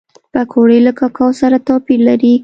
پکورې له کوکو سره توپیر لري